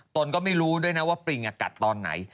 ตนก็ไม่รู้ด้วยนะว่าปริงกัดตอนไหน